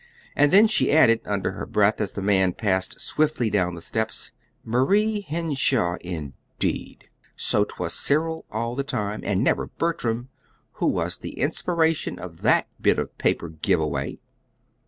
And then she added under her breath as the man passed swiftly down the steps: "'Marie Henshaw' indeed! So 'twas Cyril all the time and never Bertram who was the inspiration of that bit of paper give away!"